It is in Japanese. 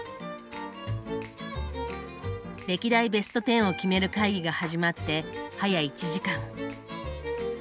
歴代ベスト１０を決める会議が始まって早１時間。